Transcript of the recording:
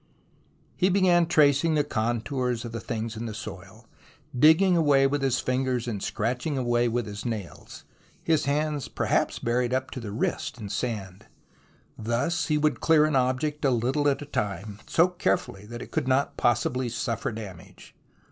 He began tracing the contours of the things in the soil, digging away with his fingers and scratching away with his nails, his hands perhaps buried up to the wrist in sand. Thus he would clear an object a little at a time, so carefully that it could not possibly suffer damage.